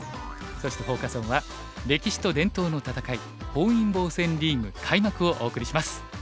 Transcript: そしてフォーカス・オンは「歴史と伝統の闘い本因坊戦リーグ開幕」をお送りします。